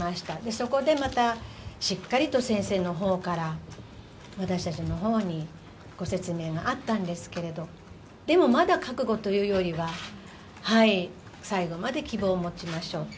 そこでまた、しっかりと先生のほうから私たちのほうにご説明があったんですけれど、でもまだ覚悟というよりは、最後まで希望を持ちましょうと。